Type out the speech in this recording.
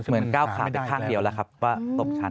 ก้าวขาไปข้างเดียวแล้วครับว่าตกชั้น